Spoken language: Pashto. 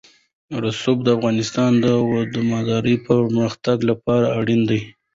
رسوب د افغانستان د دوامداره پرمختګ لپاره اړین دي.